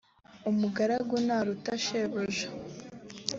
umugaragu ntaruta shebuja